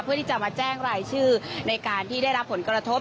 เพื่อที่จะมาแจ้งรายชื่อในการที่ได้รับผลกระทบ